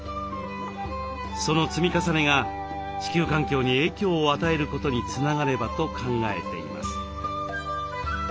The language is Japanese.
その積み重ねが地球環境に影響を与えることにつながればと考えています。